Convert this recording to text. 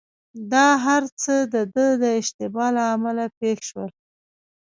دا هرڅه دده د اشتباه له امله پېښ شول.